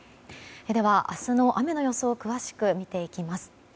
では、明日の雨の予想を詳しく見ていきます。